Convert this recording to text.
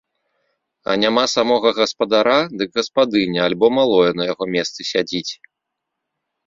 А няма самога гаспадара, дык гаспадыня альбо малое на яго месцы сядзіць.